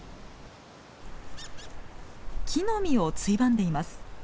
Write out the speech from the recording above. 木の実をついばんでいます。